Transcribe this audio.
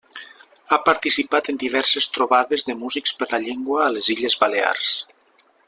Ha participat en diverses trobades de Músics per la Llengua a les Illes Balears.